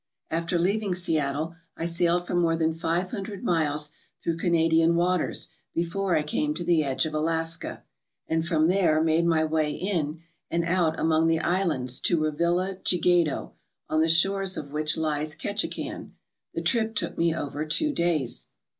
After leaving Seattle, I sailed for more than five hundred miles through Cana dian waters before I came to the edge of Alaska, and from there made my way in and out among the islands to Revilla Gigedo, on the shores of which lies Ketchikan. The trip took me over two days.